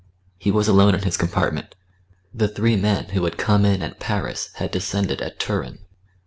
He was alone in his compartment; the three men who had come in at Paris had descended at Turin.